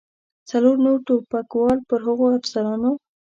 څلور نور ټوپکوال پر هغو افسرانو.